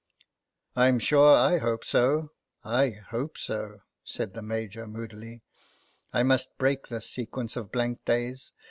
" I'm sure I hope so ; I hope so," said the Major moodily, " I must break this sequence of blank days.